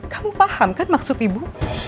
kamu paham kan maksud ibu